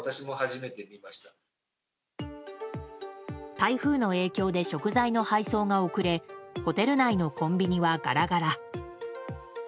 台風の影響で食材の配送が遅れホテル内のコンビニはガラガラ。